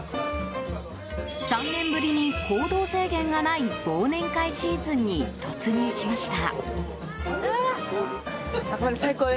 ３年ぶりに行動制限がない忘年会シーズンに突入しました。